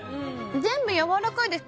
全部やわらかいです。